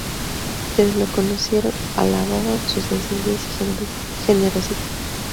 Quienes lo conocieron alababan su sencillez y generosidad.